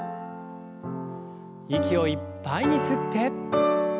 息をいっぱいに吸って。